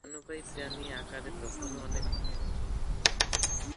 স্তন্যপায়ী প্রাণী আকারে তখনও অনেক ক্ষুদ্র ছিল।